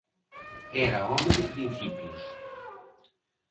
Era home de principios.